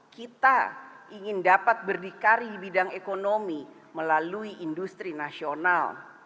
kita ingin dapat berdikari di bidang ekonomi melalui industri nasional